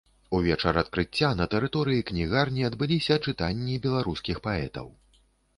У вечар адкрыцця на тэрыторыі кнігарні адбыліся чытанні беларускіх паэтаў.